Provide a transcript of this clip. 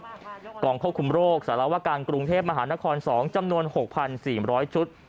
ศูนย์ประสานงานกรุงเทพฯกลางสปส๔๐จำนวน๖๔๐๐ชุด